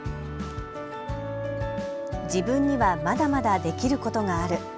自分にはまだまだできることがある。